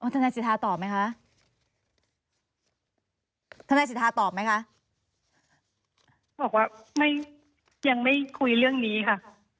ทนายสิทธาตอบไหมคะทนายสิทธาตอบไหมคะบอกว่าไม่ยังไม่คุยเรื่องนี้ค่ะ